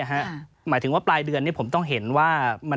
หมายถึงว่าปลายเดือนนี้ผมต้องเห็นว่า